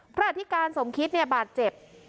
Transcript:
อธิการสมคิดเนี่ยบาดเจ็บ